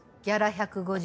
１５０⁉